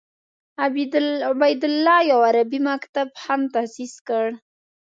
عبیدالله یو عربي مکتب هم تاسیس کړ.